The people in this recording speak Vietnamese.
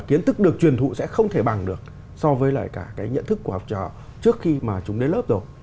kiến thức được truyền thụ sẽ không thể bằng được so với lại cả cái nhận thức của học trò trước khi mà chúng đến lớp rồi